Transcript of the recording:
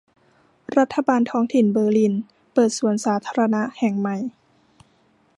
รัฐบาลท้องถิ่นเบอร์ลิน เปิดสวนสาธารณะแห่งใหม่